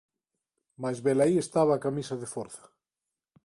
Mais velaí estaba a camisa de forza.